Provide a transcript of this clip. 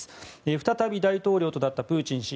再び大統領となったプーチン氏。